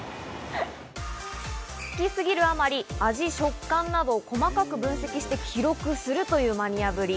好きすぎるあまり、味、食感など細かく分析して記録するというマニアぶり。